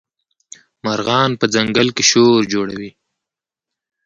مارغان په ځنګل کي شور جوړوي.